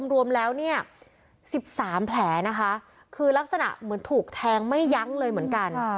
รวมแล้วเนี่ย๑๓แผลนะคะคือลักษณะเหมือนถูกแทงไม่ยั้งเลยเหมือนกัน